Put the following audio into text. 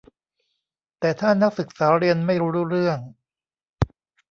แต่ถ้านักศึกษาเรียนไม่รู้เรื่อง